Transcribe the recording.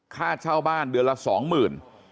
ค่าเช่าบ้านเดือนละสองหมื่น